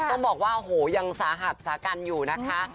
ต้องบอกว่าโหยังสาหัสสากันอยู่นะคะ